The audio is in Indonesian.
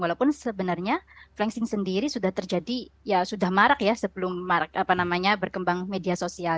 walaupun sebenarnya flexing sendiri sudah terjadi ya sudah marak ya sebelum berkembang media sosial